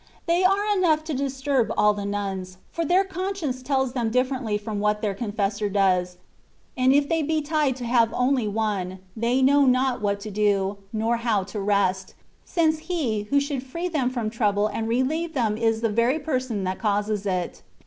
They are enough to disturb all the nuns, for their con science tells them differently from what their confessor does ; and if they be tied to have only one, they know not what to do, nor how to rest, since he who should free them from trouble and relieve them is the very person that causes it.